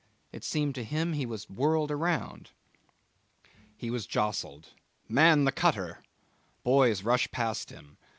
It seemed to him he was whirled around. He was jostled. 'Man the cutter!' Boys rushed past him.